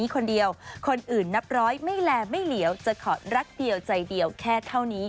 คนเดียวคนอื่นนับร้อยไม่แลไม่เหลียวจะขอรักเดียวใจเดียวแค่เท่านี้